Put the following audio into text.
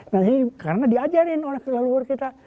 nah ini karena diajarin oleh keleluhur kita